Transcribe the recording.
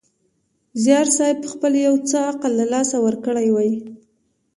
زیارصېب خپل یو څه عقل له لاسه ورکړی وي.